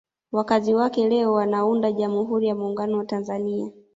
Wakazi wake leo wanaunda Jamhuri ya Muungano wa Tanzania